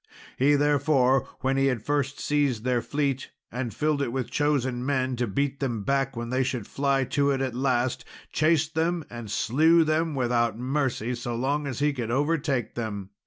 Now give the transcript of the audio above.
He, therefore, when he had first seized their fleet, and filled it with chosen men, to beat them back when they should fly to it at last, chased them and slew them without mercy so long as he could overtake them.